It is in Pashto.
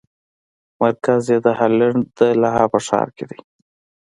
مرکز یې د هالنډ د لاهه په ښار کې دی.